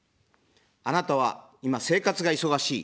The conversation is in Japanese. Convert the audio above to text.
あなたは今、生活が忙しい。